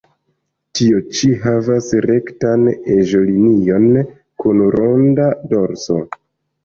Tio ĉi havas rektan eĝo-linion kun ronda dorso.